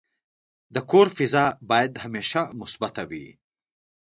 د کور فضا باید همیشه مثبته وي.